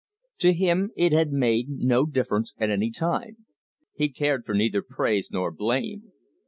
To him it had made no difference at any time. He cared for neither praise nor blame.